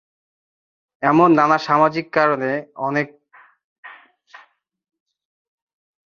এমন নানা সামাজিক কারণে অনেক পুরুষই তরুণ বয়সে নানাভাবে একাধিক সম্পর্কে জড়িয়ে পড়েন।